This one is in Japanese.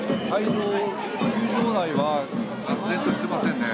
球場内は騒然としてませんね。